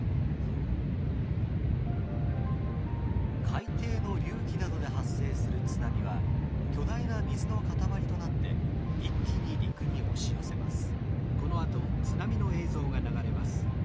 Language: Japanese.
海底の隆起などで発生する津波は巨大な水の塊となって一気に陸に押し寄せます。